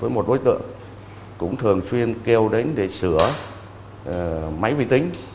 có mối quan hệ với một đối tượng thường xuyên kêu đến để sửa máy vi tính